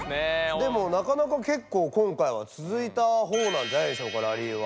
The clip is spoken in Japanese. でもなかなかけっこう今回はつづいたほうなんじゃないでしょうかラリーは。